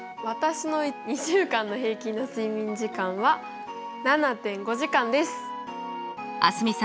私の２週間の平均の睡眠時間は７．５時間です。